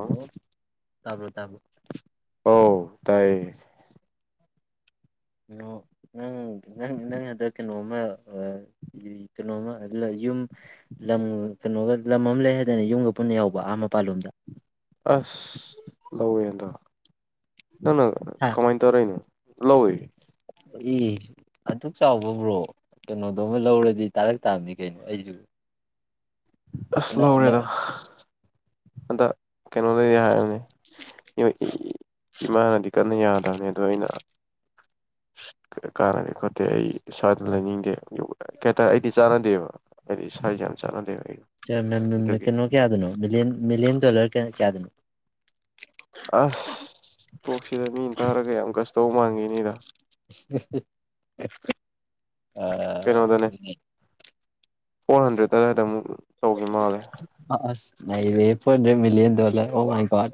ꯍꯜꯂ ꯇꯥꯕ꯭ꯔꯣ ꯇꯥꯕ꯭ꯔꯣ ꯑꯧ ꯇꯥꯏꯌꯦ ꯅꫭ ꯅꯪ ꯅꯪ ꯅꯪ ꯍꯟꯗꯛ ꯀꯩꯅꯣꯝꯃ ꯑ ꯀꯩꯅꯣꯝꯃ ꯂ ꯌꯨꯝ ꯂꯝ ꯀꯩꯅꯣꯒ ꯂꯝ ꯑꯃ ꯂꯩ ꯍꯥꯏꯗꯅ ꯌꯨꯝꯒ ꯄꯨꯟꯅ ꯌꯥꯎꯕ ꯑꯥ ꯃꯄꯥꯥꯟꯂꯣꯝꯗ ꯑꯁ ꯂꯧꯋꯦꯗꯣ ꯅꯪꯅ ꯍꯥ ꯀꯃꯥꯏꯅ ꯇꯥꯔꯛꯏꯅꯣ ꯂꯧꯋꯦ ꯏ ꯑꯗꯨꯛ ꯆꯥꯎꯕ ꯕ꯭ꯔꯣ ꯀꯩꯅꯣꯗꯣꯃ ꯂꯧꯔꯗꯤ ꯇꯥꯔꯛ ꯇꯥꯕꯅꯤ ꯀꯩꯅꯣ ꯑꯩꯖꯨ ꯑꯁ ꯂꯧꯔꯦꯗ ꯑꯗ ꯀꯩꯅꯣ ꯂꯩꯔꯦ ꯍꯥꯏꯕꯅꯦ ꯌꫭ ꯏꯏꯏ ꯏꯃꯥꯅꯗꯤ ꯀꯟꯅ ꯌꯥꯗꯕꯅꯦ ꯑꯗꯣ ꯑꯩꯅ [unintelligible] ꯀꯥꯟꯅꯗꯦ ꯈꯣꯠꯇꯦ ꯑꯩ ꯁꯥꯏꯗ ꯂꯩꯅꯤꯡꯗꯦ ꯌꯨ ꯀꯩ ꯍꯥꯏꯇꯥꯔꯦ ꯑꯩꯗꯤ ꯆꯥꯟꯅꯗꯦꯕ ꯑꯩꯗꯤ ꯁꯥꯏꯁꯦ ꯌꯥꯝ ꯆꯥꯟꯅꯗꯦꯕ ꯑꯩ ꯑꯦ ꯃꯦ ꯃꯦ ꯃꯦ ꯑꯗꯨꯒꯤ ꯀꯩꯅꫭ ꯀꯌꯥꯗꯅꯣ ꯃꯤꯂꯤꯌꯟ ꯃꯤꯂꯤꯌꯟ ꯗꯣꯂꯔ ꯀꯌꯥ ꯀꯌꯥꯗꯅꯣ ꯑꯁ ꯇꯣꯛꯁꯤꯗ ꯃꯤꯅ ꯇꯥꯔꯒ ꯌꯥꯝ ꯒꯁ ꯇꯧꯕ ꯃꯥꯟꯒꯤꯅꯤꯗ [unintelligible] ꯑ ꯀꯩꯅꯣꯗꯅꯦ [unintelligible] ꯐꯣꯔ ꯍꯟꯗ꯭ꯔꯦꯗꯇ ꯑꯗꯨꯝ [unintelligible] ꯑꯁ ꯅꯩꯔꯦꯍꯦ four hundred million dollar oh my ꯒꫭꯠ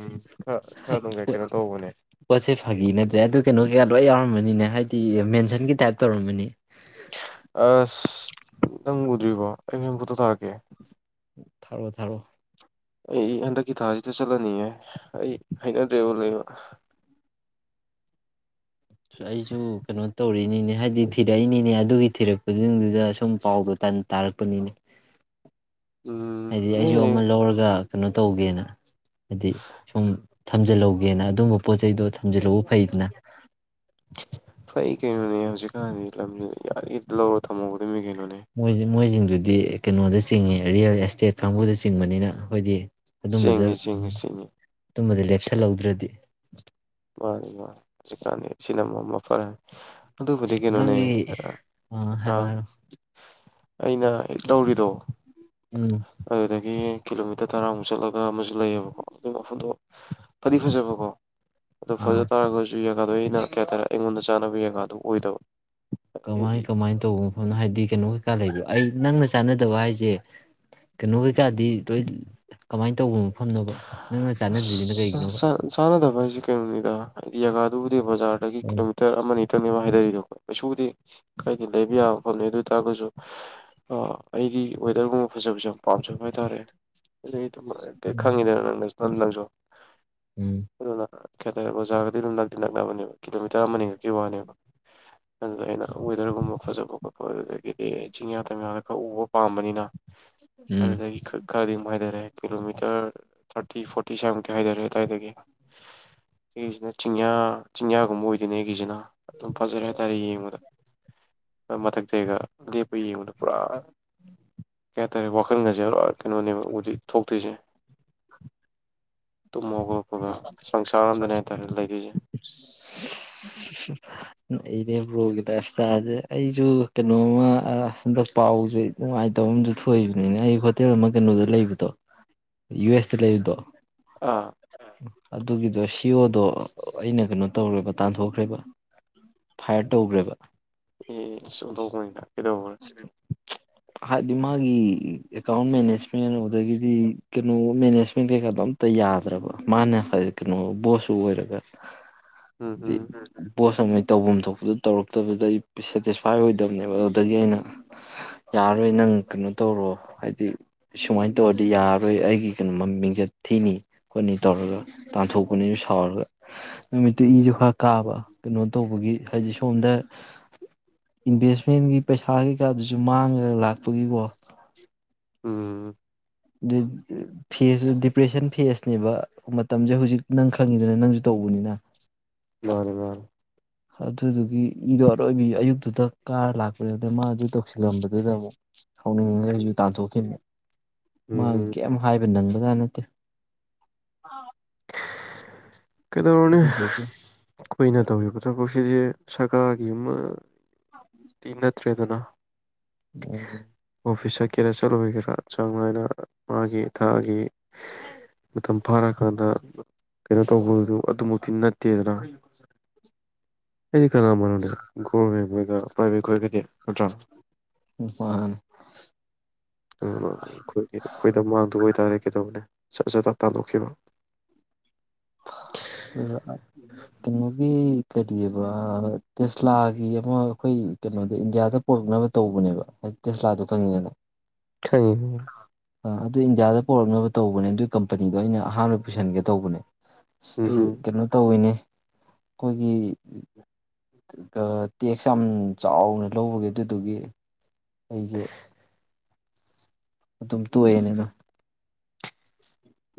ꯎꯝ ꯈꯔ ꯈꯔ ꯑꯗꯨꯝ ꯀꯩ ꯑ ꯀꯩꯅꯣ ꯇꯧꯕꯅꯦ ꯄꯣꯠꯁꯦ ꯐꯥꯒꯤ ꯅꯠꯇ꯭ꯔꯦ ꯑꯗꯨ ꯀꯩꯅꯣ ꯀꯩꯀꯥ ꯂꫭꯏ ꯌꯥꯎꯔꯝꯃꯅꯤ ꯅꯤꯅꯦ ꯍꯥꯏꯗꯤ ꯃꯦꯟꯁꯟꯒꯤ ꯇꯥꯏꯞ ꯇꯧꯔꯝꯃꯅꯤ ꯑꯁ ꯅꯪ ꯎꯗ꯭ꯔꯤꯕꯣ ꯑꯩ ꯅ ꯌꯨꯝ ꯐꫭꯇꫭ ꯊꯥꯔꯛꯀꯦ ꯊꯥꯔꯛꯑꯣ ꯊꯥꯔꯛꯑꯣ ꯑꯩ ꯍꯟꯗꯛꯀꯤ ꯊꯥꯁꯤꯗ ꯆꯠꯂꯅꯤꯌꯦ ꯑꯩ ꯍꯩꯅꯗ꯭ꯔꯦꯕ ꯂꯩꯕ ꯁ ꯑꯩꯖꯨ ꯀꯩꯅꯣ ꯇꯧꯔꯤꯅꯤꯅꯦ ꯍꯥꯏꯗꯤ ꯊꯤꯔꯛꯏꯅꯤꯅꯦ ꯑꯗꯨꯒꯤ ꯊꯤꯔꯛꯄꯖꯤꯡꯗꯨꯗ ꯁꯨꯝ ꯄꯥꯎꯗꯣ ꯇꯟ ꯇꯥꯔꯛꯄꯅꯤꯅꯦ ꯎꯝ ꯍꯥꯏꯗꯤ ꯑꯩꯁꯨ ꯌꯥꯏ ꯑꯃ ꯂꯧꯔꯒ ꯀꯩꯅꯣ ꯇꯧꯒꯦꯅ ꯍꯥꯏꯗꯤ ꯁꯨꯝ ꯊꯝꯖꯤꯜꯍꯧꯒꯦꯅ ꯑꯗꯨꯝꯕ ꯄꯣꯠ ꯆꯩꯗꯣ ꯊꯝꯖꯤꯜꯍꯧꯕ ꯐꯩꯗꯅ [unintelligible] ꯐꯩ ꯀꯩꯅꯣꯅꯦ ꯍꯧꯖꯤꯛꯀꯥꯟꯗꯤ ꯂꯝꯖꯤ ꯌꯥꯔꯤꯒꯩ ꯍꯦꯇ ꯂꯧꯔ ꯊꯝꯍꯧꯒꯗꯝꯃꯤ ꯀꯩꯅꯣ ꯃꯣꯏꯖꯤ ꯃꯣꯏꯖꯤꯡ ꯑꯗꯨꯗꯤ ꯀꯩꯅꯣꯗ ꯆꯤꯡꯏ ꯔꯤꯌꯦꯜ ꯑꯦꯁꯇꯦꯠ ꯀꯥꯡꯕꯨꯗ ꯆꯤꯡꯕꯅꯤꯅ ꯑꯈꯣꯏꯗꯤ ꯑꯗꯨꯝꯕꯖ ꯆꯦꯡꯉꯦ ꯎꯝ ꯆꯦꯡꯉꯦ ꯆꯦꯡꯉꯦ ꯇꯨꯝꯕꯗ ꯂꯦꯞꯁꯜ ꯍꯧꯗ꯭ꯔꯗꯤ ꯃꯥꯅꯤ ꯃꯥꯅꯤ ꯍꯧꯖꯤꯛ ꯀꯥꯟꯗꯤ ꯁꯤꯅ ꯃ ꯃꯐꯔꯝ ꯑꯗꯨꯕꯨꯗꯤ ꯀꯩꯅꫭꯅꯦ ꯅꯪꯒꯤ ꯑ ꯑꯥ ꯑ ꯍꯥꯏꯔꯣ ꯍꯥꯏꯔꯣ [unintelligible] ꯑꯩꯅ ꯍꯦꯛ ꯂꯧꯔꯤꯗꯣ ꯎꯝ ꯒꯤ ꯀꯤꯂꯣꯃꯤꯇꯔ ꯇꯔꯥꯃꯨꯛ ꯆꯠꯂꯒ ꯑꯃꯁꯨ ꯂꯩꯌꯦꯕꯀꯣ ꯑꯗꯨ ꯃꯐꯝꯨꯗꯣ ꯐꯗꯤ ꯐꯖꯕꯀꯣ ꯑꯣ ꯐꯖ ꯑꯥ ꯇꯔꯒꯁꯨ ꯑꯗꯩ ꯑꯩꯅ [unintelligible] ꯑꯩꯉꯣꯟ ꯀꯃꯥꯏ ꯀꯃꯥꯏꯅ ꯇꯧꯕ ꯃꯐꯝꯅꯣ ꯍꯥꯏꯗꯤ ꯀꯩꯅꯣ ꯀꯩꯀꯥ ꯂꯩꯕ ꯑꯩ ꯅꯪꯅ ꯆꯥꯟꯅꯗꯕ ꯍꯥꯏꯁꯦ ꯀꯩꯅꯣ ꯀꯩꯀꯥꯗꯤ ꯂꯣꯏ ꯀꯃꯥꯏꯅ ꯇꯧꯕ ꯃꯐꯝꯅꯣꯕ ꯅꯪꯅ ꯆꯥꯟꯅꯗ꯭ꯔꯤꯁꯤꯅ ꯀꯩꯒꯤꯅꯣꯕ [unintelligible] ꯀꯪꯅꯣꯅꯤꯗ ꯌꯥꯒꯥꯗꯨ ꯕꯖꯥꯔꯗꯒꯤ ꯎꯝ ꯀꯤꯂꯣꯃꯤꯇꯔ ꯑꯃꯅꯤ ꯈꯤꯇꯅꯦꯕ ꯍꯥꯏꯗꯔꯤꯗꯣ ꯀꯩꯁꯨꯕꯨꯗꯤ ꯀꯥꯏꯗꯦ ꯂꯩꯕ ꯌꯥꯕ ꯃꯐꯝꯅꯤ ꯑꯗꯨ ꯑꯣꯏ ꯇꯥꯔꯒꯁꯨ ꯑꯩꯒꯤ ꯋꯦꯗꯔꯒꯨꯝꯕ ꯐꯖꯕꯁꯤ ꯌꯥꯝ ꯄꯥꯝꯖꯕ ꯍꯥꯏꯇꯥꯔꯦ ꯈꯪꯉꯤꯗꯅ [unintelligible] ꯎꯝ ꯑꯗꯨꯅ [unintelligible] [unintelligible] ꯂꯠꯂꯕꯅꯦꯕ ꯀꯤꯂꯣꯃꯤꯇꯔ ꯑꯃꯅꯤꯈꯛꯀꯤ ꯋꯥꯅꯦꯕ ꯑꯗꯨꯗ ꯑꯩꯅ ꯋꯦꯗꯔꯒꯨꯝꯕ ꯐꯖꯕ ꯈꯣꯠꯄ ꯑꯗꯨꯗꯒꯤꯗꯤ ꯆꯤꯡꯌꯥ ꯇꯝꯌꯥꯒ ꯈꯎꯕ ꯄꯥꯝꯕꯅꯤꯅ ꯎꯝ ꯑꯗꯨꯗꯒꯤ ꯈꯔꯗꯤꯗꯨꯝ ꯍꯦꯏꯊꯔꯦ ꯀꯤꯂꯣꯃꯤꯇꯔ ꯊꯥꯔꯇꯤ ꯐꯣꯔꯇꯤ ꯁ꯭ꯋꯥꯏꯃꯨꯛꯇꯤ ꯍꯥꯏꯇꯥꯔꯦ ꯑꯗꯨꯋꯥꯏꯗꯒꯤ ꯑꯩꯒꯤꯁꯤꯅ ꯆꯤꯡꯌꯥ ꯆꯤꯡꯌꯥꯒꯨꯝꯕ ꯑꯣꯏꯗꯣꯏꯅꯦ ꯑꯩꯒꯤꯁꯤꯅ ꯑꯗꯨꯝ ꯐꯖꯔꯦ ꯍꯥꯏꯇꯥꯔꯦ ꯌꯦꯡꯕꯨꯗ ꯃꯊꯛꯇꯩꯒ ꯂꯦꯞꯄ ꯌꯦꯡꯕꯗ ꯄꯨꯔꯥ ꯀꯩ ꯍꯥꯏꯇꯥꯔꯦ ꯋꯥꯈꯜꯒꯁꯦ ꯀꯩꯅꯣꯅꯦꯕ ꯍꯨꯖꯤꯛ ꯊꯣꯛꯇꯣꯏꯁꯦ ꯇꯨꯝꯃꯣ ꯈꯣꯠꯄꯒ ꯁꯪꯁꯥꯔ ꯑꯃꯗꯅꯦ ꯍꯥꯏꯇꯥꯔꯦ ꯂꯩꯗꯣꯏꯁꯦ ꯑꯩꯅꯦ ꯕ꯭ꯔꯣꯒꯤ ꯂꯥꯏꯞ ꯏꯁꯇꯥꯁꯦ ꯑꯩꯁꯨ ꯀꯩꯅꯣꯝꯃ ꯍꯟꯗꯛ ꯄꯥꯎꯁꯦ ꯅꯨꯡꯉꯥꯏꯇꯕ ꯑꯃꯁꯨ ꯊꯣꯛꯏꯕꯅꯤꯅ ꯑꯩ ꯍꯣꯇꯦꯜ ꯑꯃ ꯀꯩꯅꯣꯗ ꯂꯩꯕꯗꯣ ꯌꯨ ꯑꯦꯁꯇ ꯂꯩꯕꯗꯣ ꯑ ꯑꯥ ꯑꯗꯨꯒꯤꯗꯣ ꯁꯤꯌꯣꯗꯣ ꯑꯩꯅ ꯀꯩꯅꯣ ꯇꯧꯔꯦꯕ ꯇꯥꯟꯊꯣꯛꯈ꯭ꯔꯦꯕ ꯐꯥꯏꯌꯔ ꯇꯧꯈ꯭ꯔꯦꯕ ꯑꯦ [unintelligible] ꯀꯩꯗꯧꯕꯩ ꯍꯥꯏꯗꯤ ꯃꯥꯒꯤ ꯑꯦꯀꯥꯎꯟ ꯃꯦꯅꯦꯖꯃꯦꯟ ꯑꯗꯨꯗꯒꯤꯗꯤ ꯀꯩꯅꯣ ꯃꯦꯅꯦꯖꯃꯦꯟ ꯀꯩꯀꯥꯗꯣ ꯑꯝꯇ ꯌꯥꯗ꯭ꯔꯕ ꯃꯥꯅ ꯀꯩꯅꯣ ꯕꯣꯁꯁꯨ ꯑꯣꯏꯔꯒ ꯎꯝ ꯕꯣꯁ ꯑꯃꯩ ꯇꯧꯐꯝ ꯊꯣꯛꯄꯗ ꯇꯧꯔꯛꯇꯕꯗ ꯑꯩ ꯁꯦꯇꯤꯁꯐꯥꯏ ꯑꯣꯏꯗꯕꯅꯦꯕ ꯑꯗꯨꯗꯒꯤ ꯑꯩꯅ ꯌꯥꯔꯔꯣꯏ ꯅꯪ ꯀꯩꯅꯣ ꯇꯧꯔꯣ ꯍꯥꯏꯗꯤ ꯁꯨꯃꯥꯏꯅ ꯇꯧꯔꯗꯤ ꯌꯥꯔꯔꯣꯏ ꯑꯩꯒꯤ ꯀꯩꯅꯣ ꯃꯤꯡꯆꯠ ꯊꯤꯅꯤ ꯈꯣꯠꯅꯤ ꯇꯧꯔꯒ ꯇꯥꯟꯊꯣꯛꯄꯅꯤꯕ ꯁꯥꯎꯔꯒ ꯅꯨꯃꯤꯠꯇꯨ ꯎꯝ ꯏꯁꯨ ꯈꯔ ꯎꯝ ꯀꯥꯕ ꯀꯩꯅꯣ ꯇꯧꯕꯒꯤ ꯍꯥꯏꯗꯤ ꯁꯣꯝꯗ ꯏꯟꯚꯦꯁꯃꯦꯟꯒꯤ ꯄꯩꯁꯥ ꯀꯩꯀꯥꯗꯨꯁꯨ ꯃꯥꯡꯉꯒ ꯂꯥꯛꯄꯒꯤꯀꯣ ꯎꯝ ꯑꯗꯨ ꯐꯦꯁ ꯗꯤꯄ꯭ꯔꯦꯁꯟ ꯐꯦꯁꯅꯦꯕ ꯃꯇꯝꯁꯦ ꯍꯧꯖꯤꯛ ꯅꯪ ꯈꯪꯉꯤꯗꯨꯅ ꯅꯪꯁꯨ ꯇꯧꯕꯅꯤꯅ ꯃꯥꯅꯦ ꯃꯥꯅꯦ ꯑꯗꯨꯗꯨꯒꯤ ꯏꯗꯣ ꯑꯔꯣꯏꯕꯤ ꯑꯌꯨꯛꯇꯨꯗ ꯀꯥꯔ ꯂꯥꯛꯄꯅꯦꯗ ꯃꯥꯗꯨ ꯇꯧꯁꯤꯜꯂꯝꯕꯗꯨꯗ ꯑꯃꯨꯛ ꯁꯥꯎꯅꯤꯡꯉꯥꯁꯨ ꯇꯥꯟꯊꯣꯛꯈꯤꯕꯅꯦ ꯃꯥ ꯎꯝ ꯀꯩꯝ ꯍꯥꯏꯕ ꯅꯪꯕꯖꯥ‌ ꯅꯠꯇꯦ ꯀꯩꯗꯧꯔꯨꯅꯤ ꯑꯗꯨꯗꯨꯒꯤ ꯀꯨꯏꯅ ꯇꯧꯔꯤꯕ ꯊꯕꯛꯁꯤꯗꯤ ꯁꯔꯀꯥꯔꯒꯤ ꯑꯃ ꯅꯠꯇ꯭ꯔꯦ ꯗꯥꯗꯥ ꯑꯝ ꯀꯦꯔꯦꯁꯠ ꯑꯣꯏꯒꯦꯔꯥ ꯆꯥꯡꯅꯥ ꯍꯥꯏꯅ ꯃꯥꯒꯤ ꯊꯥꯒꯤ ꯃꯇꯝ ꯐꯥꯔꯛꯑꯀꯥꯟꯗ ꯀꯔꯣ ꯇꯧꯕꯗꯨ ꯑꯗꯨꯃꯛꯇꯤ ꯅꯠꯇꯦꯗꯅ ꯍꯥꯏꯗꯤ ꯀꯥꯟꯅꯥ ꯃꯅꯦ ꯒꯣꯔꯦꯟ ꯃꯒ ꯄ꯭ꯔꯥꯏꯚꯦꯠ ꯑꯣꯏꯔꯒꯗꯤ ꯅꯠꯇ꯭ꯔꯥ ꯃꯥꯅꯦ ꯑꯩꯈꯣꯏ ꯑꯩꯈꯣꯏꯗ ꯃꯥꯡꯗꯕ ꯑꯣꯏꯇꯥꯔꯦ ꯀꯩꯗꯧꯕꯅꯦ ꯁꯆꯦꯗ ꯇꯥꯟꯗꯈꯈꯤꯕ ꯀꯩꯅꯣꯒꯤ ꯀꯔꯤꯑꯕ ꯇꯦꯁꯂꯥꯒꯤ ꯑꯃ ꯑꯩꯈꯣꯏ ꯀꯩꯅꯣꯗ ꯏꯟꯗꯤꯌꯥꯗ ꯄꯣꯔꯛꯅꯕ ꯇꯧꯕꯅꯦꯕ ꯍꯥꯏꯗꯤ ꯇꯦꯁꯂꯥꯗꯣ ꯈꯪꯉꯤꯗꯅꯦꯜ ꯍꯥꯏ ꯑ ꯑꯗꯨ ꯏꯟꯗꯤꯌꯥꯗ ꯄꯣꯔꯛꯅꯕ ꯇꯧꯕꯅꯦ ꯑꯗꯨꯒꯤ ꯀꯝꯄꯅꯤꯗꯣ ꯑꯩꯅ ꯑꯍꯥꯟꯕ ꯄꯨꯁꯟꯒꯦ ꯇꯧꯕꯅꯦ ꯎꯝ ꯁꯤ ꯍꯝ ꯀꯩꯅꯣ ꯇꯧꯋꯤꯅꯦ ꯑꯩꯈꯣꯏꯒꯤ ꯑꯗꯨꯒ ꯇꯦꯛꯁ ꯌꯥꯝ ꯆꯥꯎꯅ ꯂꯧꯕꯒꯤꯦ ꯑꯗꯨꯗꯨꯒꯤ ꯑꯩꯁꯦ ꯑꯗꯨꯝ ꯇꯣꯛꯑꯦꯅꯤꯅ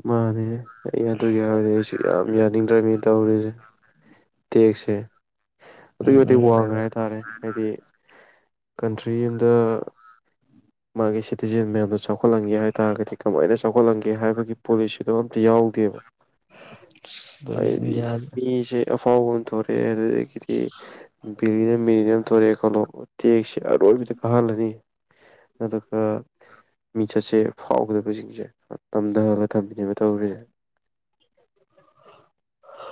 ꯃꯥꯗ ꯑꯗꯨ ꯀꯌꯥ ꯌꯥꯝ ꯌꯥꯅꯤꯡꯗ꯭ꯔꯕꯅꯤ ꯇꯧꯔꯤꯁꯦ ꯇꯦꯛꯁꯦ ꯑꯗꯨꯛꯀꯤ ꯎꯝ ꯃꯇꯤꯛ ꯎꯝ ꯋꯥꯡꯈ꯭ꯔꯦ ꯍꯥꯏꯇꯥꯔꯦ ꯍꯥꯏꯗꯤ ꯀꯟꯇ꯭ꯔꯤ ꯑꯗ ꯃꯥꯒꯤ ꯁꯤꯇꯤꯖꯦꯟ ꯃꯌꯥꯝꯗꯣ ꯆꯥꯎꯈꯠ ꯆꯥꯎꯈꯠꯍꯟꯒꯦ ꯍꯥꯏꯇꯥꯔꯒꯗꯤ ꯀꯃꯥꯏꯅ ꯆꯥꯎꯈꯠꯍꯟꯒꯦ ꯍꯥꯏꯕꯒꯤ ꯑꯗꯨꯣ ꯑꯝꯇ ꯌꯥꯎꯗꯦꯕ ꯗꯅꯤ ꯏꯟꯗꯤꯌꯥꯖ ꯑꯦ ꯐꯥꯎꯕꯣꯟꯟ ꯇꯧꯔꯤꯦ ꯑꯗꯨꯗꯒꯤꯗꯤ ꯕꯤꯂꯤꯅ ꯃꯤꯅꯤꯅꯝ ꯊꯣꯛꯂꯦ [inaudible] ꯑꯔꯣꯏꯕꯤꯗꯥ ꯀꯍꯥꯜꯅꯤ ꯑꯗꯨꯒ ꯃꯤꯡꯆꯠꯁꯦ ꯐꯥꯎꯒꯗꯕꯁꯤꯡꯁꯦ ꯇꯝꯊꯍ ꯀꯝꯕꯤꯅꯦꯕ ꯇꯧꯔꯤꯦ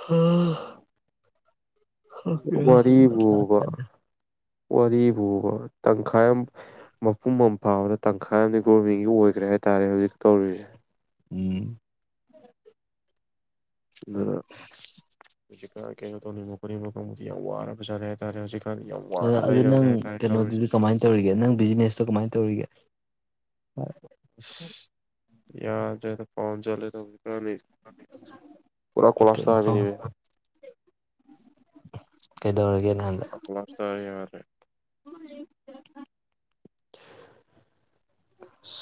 ꯎꯝ ꯗ ꯋꯥꯔꯤꯕꯨ ꯇꯪꯈꯥꯏ ꯑꯃ ꯃꯄꯨꯝ ꯑꯃ ꯐꯥꯕꯗ ꯇꯪꯈꯥꯏ ꯑꯃꯗꯤ ꯒꯣꯔꯃꯦꯟꯒꯤ ꯑꯣꯏꯈ꯭ꯔꯦ ꯍꯥꯏꯇꯥꯔꯦ ꯍꯧꯖꯤꯛ ꯇꯧꯔꯤꯁꯦ ꯑꯗꯨ ꯍꯧꯖꯤꯛꯀ ꯀꯩꯅꯣ ꯇꯧꯅꯤꯡꯕ ꯈꯣꯠꯅꯤꯡꯕ ꯀꯥꯡꯪꯕꯨꯗꯤ ꯌꯥꯝ ꯋꯥꯔꯕꯖꯠꯂꯦ ꯍꯥꯏꯇꯥꯔꯦ ꯍꯧꯖꯤꯛ ꯑꯗꯨ ꯅꯪ ꯀꯩꯅꯣꯗꯨꯗꯤ ꯀꯃꯥꯏꯅ ꯇꯧꯔꯤꯒꯦ ꯅꯪ ꯕꯤꯖꯤꯅꯦꯁꯇꯣ ꯀꯃꯥꯏꯅ ꯇꯧꯔꯤꯒꯦ ꯍꯣꯏ ꯌꯥ ꯄꯥꯎꯟ ꯆꯂꯦꯗ ꯑ ꯄꯨꯔꯥ ꯀꯂꯥꯁꯇ ꯍꯥꯏ ꯄꯅꯤꯃꯦ ꯀꯩꯗꯧꯔꯒꯦ ꯅꯍꯟꯗ ꯀꯣꯂꯥꯞꯁ ꯇꯥꯔꯦ ꯌꯥꯗ꯭ꯔꯦ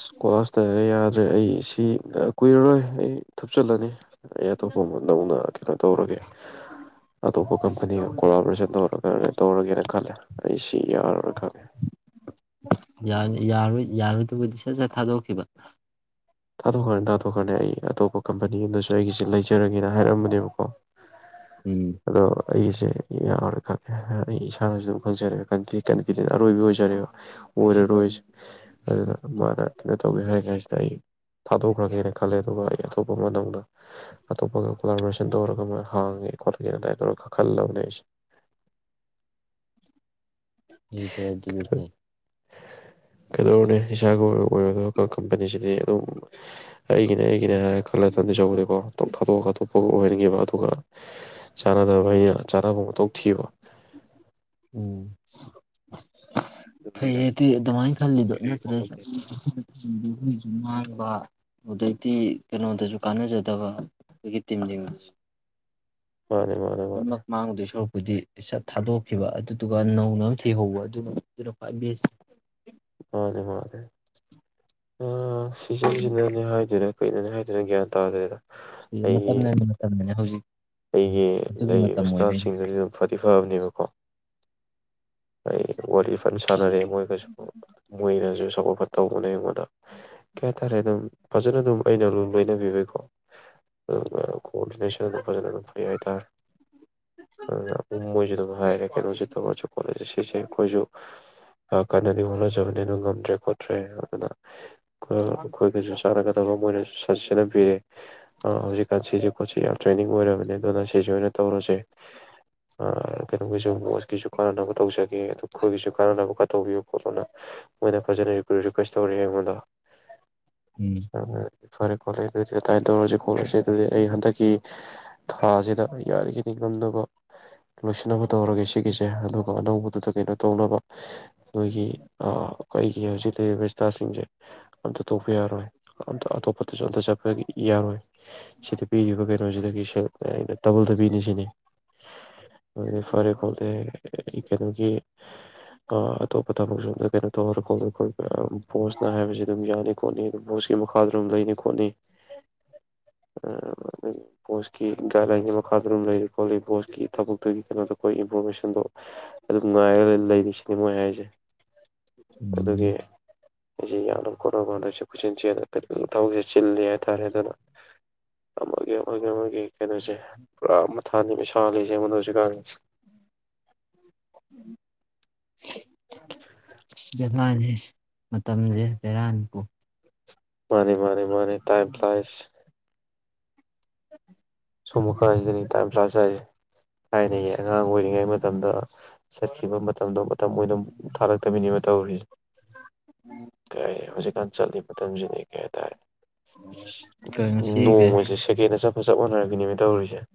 ꯑ ꯀꯣꯂꯥꯁꯇꯔ ꯌꯥꯗ꯭ꯔꯦ ꯑꯩ ꯁꯤ ꯀꯨꯏꯔꯔꯣꯏ ꯑꯩ ꯊꯨꯞꯆꯜꯂꯅꯤ ꯑꯦ ꯇꯣꯞꯄꯃꯗꯅ ꯀꯩꯅꯣ ꯇꯧꯔꯒꯦ ꯑꯇꯣꯞꯄ ꯀꯝꯄꯅꯤꯒ ꯀꯣꯔꯣꯑꯣꯄꯔꯦꯁꯟ ꯇꯧꯔꯒ ꯇꯧꯔꯒꯦꯅ ꯈꯜꯂꯦ ꯑꯩ ꯁꯤ ꯌꯥꯔꯣꯏ ꯈꯪꯉꯦ ꯌꯥ ꯌꯥꯔ ꯌꯥꯔꯗꯨꯕꯨꯗꯤ ꯁꯠ ꯁꯠ ꯊꯥꯗꯣꯛꯈꯤꯕ ꯊꯥꯊꯣꯛꯈ꯭ꯔꯅꯤ ꯇꯥꯊꯣꯛꯈ꯭ꯔꯅꯤ ꯑꯩ ꯑꯇꯣꯞꯄ ꯀꯝꯄꯅꯤ ꯑꯗꯁꯨ ꯑꯩꯒꯤꯁꯤꯦ ꯂꯩꯖꯔꯒꯦꯅ ꯍꯥꯏꯔꯝꯕꯅꯦꯕꯀꯣ ꯎꯝ ꯑꯗꯣ ꯑꯩꯁꯦ ꯌꯥꯎꯔꯦ ꯈꯪꯦ ꯑꯩ ꯏꯁꯥꯅꯁꯨ ꯑꯗꯨꯝ ꯈꯪꯖꯔꯦꯗꯤ ꯀꯩꯅꯣ ꯇ ꯑꯔꯣꯏꯕꯤ ꯑꯣꯏꯖꯔꯦꯕ ꯑꯣꯔꯣꯏ ꯑꯗꯨꯅ ꯃꯥꯅ ꯀꯩꯅꯣ ꯇꯧꯒꯦ ꯍꯥꯏ ꯀꯥꯏꯁꯤꯗ ꯑꯩ ꯊꯥꯗꯣꯛꯈ꯭ꯔꯒꯦꯅ ꯈꯜꯂꯦ ꯑꯗꯨꯒ ꯑꯩ ꯑꯇꯣꯞꯄ ꯅꯅ ꯑꯇꯣꯞꯄꯒ ꯀꯣꯂꯥꯔꯕꯔꯦꯁꯟ ꯇꯧꯔꯒ ꯃꯣꯏ ꯍꯥꯡꯉꯦ ꯈꯣꯠꯂꯒꯦ ꯑꯗꯨꯃꯥꯏꯅ ꯇꯧꯔꯒ ꯈꯜꯂꯕꯅꯦ ꯑꯩꯁꯦ ꯍ ꯐ ꯑꯗꯨ ꯐꯦ ꯀꯩꯗꯧꯅꯦ ꯏꯁꯅꯤꯁꯥꯒꯤ ꯑꯣꯏꯕꯗ ꯀꯝꯄꯅꯤꯁꯤꯗꯤ ꯑꯗꯨꯝ ꯑꯩꯒꯤꯅꯦ ꯑꯩꯒꯤꯅꯦ ꯍꯥꯏꯔ ꯈꯜꯂ ꯑꯗꯨꯗꯤꯆꯧꯕꯗꯤꯀꯣ ꯑꯗꯨꯝ ꯊꯥꯠꯇꯣꯛꯑ ꯈꯥꯠꯇꯣꯛꯄꯒ ꯑꯣꯏꯍꯟꯒꯦꯕ ꯑꯗꯨꯒ ꯆꯥꯟꯅꯗꯕ ꯑꯩꯅ ꯆꯥꯅꯕ ꯃꯧ ꯊꯤꯕ ꯎꯝ ꯐꯩꯌꯦ ꯑꯗꯨꯗꯤ ꯑꯗꯨꯃꯥꯏꯅ ꯈꯜꯂꯤꯗꯣ ꯅꯠꯇ꯭ꯔꯦꯈꯣꯏꯁꯨ ꯉꯥꯡꯕ ꯑꯗꯨꯛꯇꯤ ꯀꯩꯅꯣꯗꯁꯨ ꯀꯥꯟꯅꯖꯗꯕ ꯑꯩꯒꯤ ꯇꯤꯝꯒꯤꯁꯨ ꯃꯥꯅꯦ ꯃꯥꯅꯦ ꯃꯥꯅꯦ ꯑꯩꯈꯣꯏꯗꯤ ꯏꯁꯠ ꯊꯥꯗꯣꯛꯈꯤꯕ ꯑꯗꯨꯗꯨꯒ ꯅꯧꯅ ꯊꯤꯍꯧꯕ ꯑꯗꯨꯅ ꯖꯤꯔꯣ ꯐꯥꯏꯚꯕꯤ ꯑꯦꯁ ꯃꯥꯅꯦꯦ ꯃꯥꯅꯦꯦ ꯑ ꯁꯤꯖꯟꯁꯤꯟꯅꯅꯦ ꯍꯥꯏꯗꯔꯦ ꯀꯨꯅꯅꯤ ꯍꯥꯏꯗꯅ ꯒ꯭ꯌꯥꯟ ꯇꯥꯗ꯭ꯔꯦꯗ ꯁꯤ ꯑꯩꯒꯤ ꯃꯇꯝꯅꯅꯦ ꯃꯇꯝꯅꯅꯦ ꯍꯧꯖꯤꯛ ꯑꯩꯒꯤ ꯑꯗꯨꯒꯤ ꯃꯇꯝ ꯂꯩꯔꯤꯕ ꯑꯣꯏꯕꯩꯅꯦ ꯏꯁꯇꯥꯐꯁꯤꯡꯗꯨꯁꯨ ꯑꯗꯨꯝ ꯐꯗꯤ ꯐꯕꯅꯦꯕꯀꯣ ꯑꯩ ꯋꯥꯔꯤ ꯐꯅ ꯁꯥꯟꯅꯔꯦ ꯃꯣꯏꯒꯁꯨ ꯃꯣꯏꯅꯁꯨ ꯆꯥꯎꯄꯣꯠꯄ ꯇꯧꯕꯅꯦ ꯑꯩꯉꯣꯟꯗ ꯀ ꯇꯔꯦ ꯑꯗꯨꯝ ꯐꯖꯅ ꯑꯗꯨꯝ ꯑꯩꯅ ꯑꯗꯨꯝ ꯂꯣꯏꯅꯕꯤꯕꯩꯀꯣ ꯑꯗꯨꯝ ꯈꯣꯅ ꯐꯖꯅꯅ ꯐꯩ ꯍꯥꯏꯇꯥꯔꯦ ꯑꯗꯨꯅ ꯃꯣꯏꯁꯨ ꯑꯗꯨꯝ ꯍꯥꯏꯔꯦ ꯀꯩꯅꯣꯁꯤ ꯇꯧꯔꯁꯨ ꯀꯣꯂꯦꯖꯁ ꯁꯤꯁꯦ ꯑꯩꯈꯣꯏꯁꯨ ꯀꯟꯅꯗꯤ ꯍꯣꯠꯅꯖꯕꯅꯤ ꯑꯗꯨ ꯉꯝꯗ꯭ꯔꯦ ꯈꯣꯠꯇ꯭ꯔꯦ ꯑꯗꯨꯅ ꯑꯩꯈꯣꯏꯒꯁꯨ ꯆꯥꯟꯅꯒꯗꯕ ꯃꯣꯏꯅꯁꯨ ꯁꯖꯦꯁꯟ ꯄꯤꯔꯦ ꯍꯧꯖꯤꯛꯀꯥꯟ ꯁꯤꯁꯦ ꯈꯣꯠꯁꯤ ꯌꯥꯝ ꯇ꯭ꯔꯦꯅꯤꯡ ꯑꯣꯏꯔꯕꯅꯤ ꯑꯗꯨꯅ ꯁꯤꯁꯨ ꯑꯣꯏꯅ ꯇꯧꯔꯁꯦ ꯀꯩꯅꯣꯝꯒꯤꯩꯁꯨꯣꯠ ꯒꯤꯁꯨ ꯀꯥꯟꯅꯅꯕ ꯇꯧꯖꯒꯦ ꯑꯗꯨ ꯑꯩꯈꯣꯏꯒꯤꯁꯨ ꯀꯥꯟꯅꯅꯕ ꯇꯧꯕꯤꯌꯨ ꯈꯣ ꯑꯗꯨꯅ ꯃꯣꯏꯅ ꯐꯖꯅ ꯔꯤꯀ꯭ꯋꯦꯁ ꯇꯧꯔꯛꯑꯦ ꯑꯩꯉꯣꯟꯗ ꯎꯝ ꯎ ꯐꯔꯦ ꯈꯣꯠꯂꯦ ꯑꯗꯨꯗꯤ ꯑꯗꯨꯃꯥꯏꯅ ꯇꯧꯔꯁꯤ ꯈꯣꯠꯂꯁꯁꯤ ꯑꯗꯨꯗꯤ ꯑꯩ ꯍꯟꯗꯛꯀꯤ ꯊꯥꯁꯤꯗ ꯌꯥꯔꯤꯈꯅꯤ ꯉꯝꯅꯕ ꯂꯣꯏꯁꯤꯟꯅꯕ ꯇꯧꯔꯒꯦ ꯁꯤꯒꯤꯁꯦ ꯑꯗꯨꯒ ꯑꯅꯧꯕꯗꯨꯗ ꯀꯩꯅꯣ ꯇꯧꯅꯕ ꯑꯩꯈꯣꯏꯒꯤ ꯑꯩꯈꯒꯤ ꯍꯧꯖꯤꯛ ꯂꯩꯔꯤꯕ ꯏꯁꯇꯥꯐꯁꯤꯡꯁꯦ ꯑꯝꯇ ꯇꯧꯕ ꯌꯥꯔꯣꯏ ꯑꯝꯇ ꯑꯇꯣꯞꯄꯗꯁꯨ ꯑꯝꯇ ꯆꯠꯄ ꯌꯥꯔꯣꯏ ꯁꯤꯗ ꯄꯤꯔꯤꯕ ꯀꯩ ꯀꯩꯅꯣ ꯁꯤꯗꯒꯤ ꯁ ꯑꯩꯅ ꯇꯥꯕꯨꯜ ꯊꯕꯤꯅꯤ ꯁꯤꯅꯤ ꯑꯗꯨꯗꯤ ꯐꯔꯦ ꯈꯣꯠꯇꯦ ꯀꯩꯅꯣꯒꯤ ꯑꯇꯣꯞꯄ ꯊꯕꯛ ꯁꯣꯝꯗ ꯀꯩꯅꯣ ꯇꯧꯍꯔ ꯈꯣꯠꯂ ꯈꯣꯠ ꯕꯣꯁꯅ ꯍꯥꯏꯕꯁꯤ ꯑꯗꯨꯝ ꯌꯥꯅꯤ ꯈꯣꯠꯅꯤ ꯑꯗꯨꯝ ꯕꯣꯁꯀꯤ ꯃꯈꯥꯗ ꯑꯗꯨꯝ ꯂꯩꯅꯤ ꯈꯣꯠꯅꯤ ꯄꯣꯁꯀꯤ ꯒꯥꯏꯗꯂꯥꯏꯟꯒꯤ ꯃꯈꯥꯗ ꯑꯗꯨꯝ ꯂꯩꯔꯤ ꯈꯣꯠꯂꯤ ꯄꯕꯣꯁꯀꯤ ꯊꯕꯛꯇꯨꯒꯤ ꯀꯩꯅꯣꯗꯣ ꯑꯩꯈꯣꯏ ꯏꯟꯐꯣꯔꯃꯦꯁꯟꯗꯣ ꯑꯗꯨꯝ ꯉꯥꯏꯔꯒ ꯂꯩꯔꯤꯁꯤꯅꯤ ꯃꯣꯏ ꯍꯥꯏꯁꯦ ꯑꯗꯨꯒꯤ ꯎꯝ ꯑꯩꯁꯦ ꯌꯥꯝꯅ ꯀꯣꯠꯅꯕꯥꯟꯗꯁꯨ ꯈꯨꯣꯏꯠꯆꯤꯟ ꯆꯦꯗꯈꯤ ꯊꯕꯛꯁꯦ ꯆꯤꯜꯂꯤꯦ ꯍꯥꯏꯇꯥꯔꯦ ꯑꯗꯨꯅ ꯑꯃꯒꯤ ꯃꯣꯏꯒꯤ ꯃꯣꯏꯒꯤ ꯀꯩꯅꯣꯁꯦ ꯄꯨꯔꯥ ꯃꯊꯥꯅꯤꯃꯦꯁꯥꯜꯂꯤꯁꯦꯉꯣꯟꯗ ꯍꯧꯁꯨ ꯀꯥꯉ ꯎꯝ ꯖꯃꯥꯅꯦꯦ ꯃꯇꯝꯁꯦ ꯦꯔꯥꯟꯄꯨ ꯃꯥꯅꯤ ꯃꯥꯅꯤ ꯃꯥꯅꯤ ꯇꯥꯏꯝ ꯐ꯭ꯂꯥꯏꯁ [inaudible] ꯁꯃꯨ ꯈ ꯍꯥꯏꯁꯗꯅꯤ ꯇꯥꯏꯝ ꯄ꯭ꯂꯥꯁꯥꯏ ꯊꯥꯏꯅꯌꯦ ꯑꯉꯥꯡ ꯑꯣꯏꯔꯤꯉꯩ ꯃꯇꯝꯗ ꯆꯠꯈꯤꯕ ꯃꯇꯝꯗꯣ ꯃꯇꯝ ꯑꯣꯏꯅ ꯑꯃꯛ ꯊꯥꯔꯛꯇꯃꯤꯅꯤꯅ ꯇꯧꯔꯤꯁꯦ ꯀꯩ ꯍꯧꯖꯤꯛꯀꯥꯟ ꯆꯠꯂꯤ ꯃꯇꯝꯁꯤꯗꯤ ꯀꯩ ꯍꯥꯏꯇꯥꯔꯦ ꯀꯁꯤꯒꯦ ꯐꯖꯛꯕꯅꯔꯦ ꯅꯤꯃꯤꯠꯇꯧꯔꯤꯁꯦ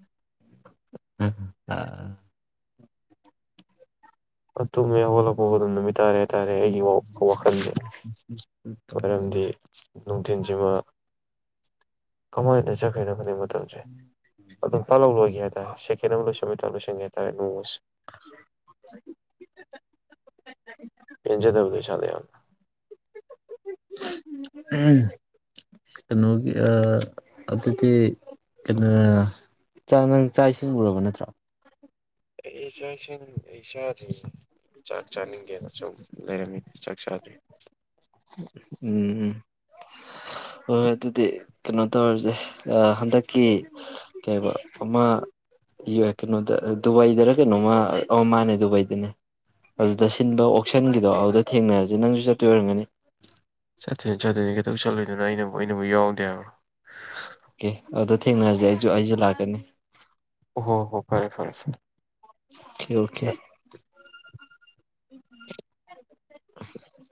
ꯑ ꯃ ꯃ ꯌꯥꯎ ꯍꯣꯂꯛꯄ ꯍꯣꯅ ꯅꯨꯃꯤꯠꯇ ꯍꯥꯏ ꯇꯥꯔꯦ ꯇꯥꯔꯦ ꯑꯩꯒꯤ ꯋꯥꯈꯜꯁꯦ ꯃꯔꯝꯗꯤ ꯅꯨꯡꯊꯤꯤꯟ ꯀꯃꯥꯏꯅ ꯆꯠꯈꯤꯗ ꯇꯧꯦ ꯑꯗꯨꯝ ꯇꯥꯍꯧ ꯂꯣꯏꯒꯦ ꯍꯥꯏ ꯁꯀꯦꯟ ꯑꯃ ꯂꯣꯏꯁꯟꯕꯩ ꯇꯥꯏꯞ ꯂꯣꯏꯁꯟꯒꯤ ꯍꯥꯏꯇꯥꯔꯦ ꯅꫭꯡꯃꯁꯦ꯫ [unintelligible] ꯄꯦꯟꯖꯗꯕꯗꫭ ꯏꯁꯥꯗ ꯌꯥꯝ꯫ ꯀꯩꯅꯣꯒꯤ ꯑ ꯑꯗꯨꯗꯤ ꯀꯩꯅꯣ ꯅꯪ ꯆꯥꯛ ꯏꯁꯤꯡꯉꯨꯔꯕ ꯅꯠꯇ꯭ꯔꯣ꯫ ꯑꯦ ꯑꯩ ꯆꯥꯛ ꯏꯁꯤꯡ ꯆꯥꯗ꯭ꯔꯤꯗ꯫ ꯆꯥꯛ ꯆꯥꯅꯤꯡꯗꯦꯅ ꯁꯨꯝ ꯂꯩꯔꯝꯃꯤ꯫ ꯆꯥꯛꯆꯥꯥꯗ꯭ꯔꯤ꯫ ꯎꯝ ꯍꯣꯏ ꯑꯗꯨꯗꯤ ꯀꯩꯅꯣ ꯇꯧꯔꯁꯦ ꯑ ꯍꯟꯗꯛꯀꯤ ꯀꯩꯕ ꯑꯃ ꯀꯩꯅꯣꯗ ꯗꯨꯕꯥꯏꯗꯔ ꯀꯩꯅꯣꯝꯃ ꯑꫭ ꯃꯥꯅꯦ ꯗꯨꯕꯥꯏꯗꯅꯦ ꯑꯗꯨꯗ ꯁꯤꯟꯕ ꯑꯣꯛꯁꯟꯒꯤꯗꯣ ꯑꯗꯨꯗ ꯊꯦꯡꯅꯔꯁꯦ ꯅꯪꯁꯨ ꯆꯠꯇ ꯑꯣꯏꯔꯝꯒꯅꯤ꯫ ꯆꯠꯇꫭꯏꯅꯤ ꯆꯠꯇꫭꯏꯅꯤ ꯀꯩꯗꯧ ꯆꯠꯂꯣꯏ꯫ ꯗꯨꯅꫭ ꯑꯩꯅꯕꯨ ꯑꯩꯅꯕꯨ ꯌꯥꯎꯗꯦ ꯍꯥꯏꯕ꯭ꯔꯣ꯫ ꯑꯣ ꯑꯗꯨꯗ ꯊꯦꯡꯅꯁꯦ ꯑꯩꯁꯨ ꯑꯩꯁꯨ ꯂꯥꯛꯀꯅꯤ꯫ ꯍꯣ ꯍꯣ ꯐꯔꯦ ꯐꯔꯦ ꯐꯔꯦ꯫ Okay okay [unintelligible]